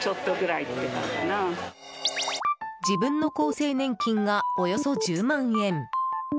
自分の厚生年金がおよそ１０万円。